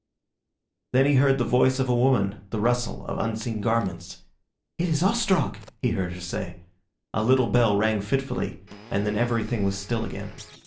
Then he heard the voice of a woman, the rustle of unseen garments. "It is Ostrog!" he heard her say. A little bell rang fitfully, and then everything was still again.